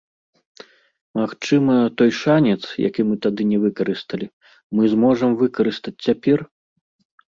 Магчыма, той шанец, які мы тады не выкарысталі, мы зможам выкарыстаць цяпер?